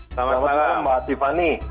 selamat malam mbak tiffany